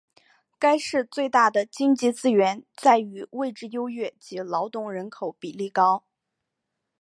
该市最大的经济资源在于位置优越及劳动人口比例高。